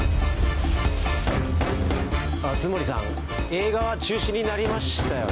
映画は中止になりましたよね。